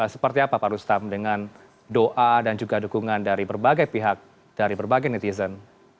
seperti apa pak rustam dengan doa dan juga dukungan dari berbagai pihak dari berbagai netizen